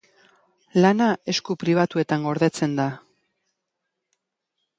Lana esku pribatuetan gordetzen da.